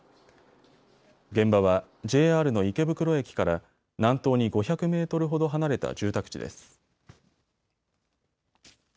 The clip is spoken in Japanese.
現場はＪＲの池袋駅から南東に５００メートルほど離れた住宅地です。